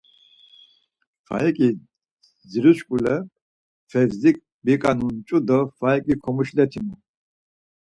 Faiǩi dziru şkule, Fevzik biga nunç̌u do Faiǩi komuşletinu.